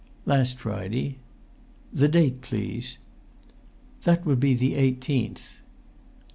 "Last Friday." "The date, please!" "That would be the 18th."